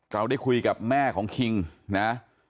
เราได้คุยกับแม่ของคิงนะ